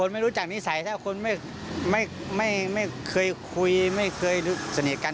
ไม่เคยคุยไม่เคยสนิทกัน